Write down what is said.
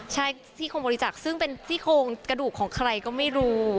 ใช่ซี่โครงบริจักษ์ซึ่งเป็นซี่โครงกระดูกของใครก็ไม่รู้